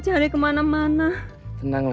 tenang pak tenang